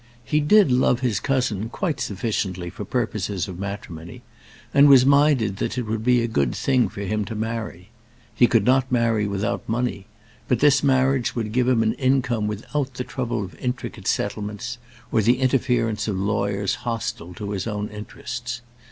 He did love his cousin quite sufficiently for purposes of matrimony, and was minded that it would be a good thing for him to marry. He could not marry without money, but this marriage would give him an income without the trouble of intricate settlements, or the interference of lawyers hostile to his own interests.